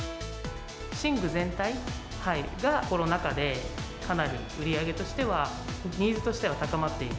寝具全体がコロナ禍でかなり売り上げとしては、ニーズとしては高まっている。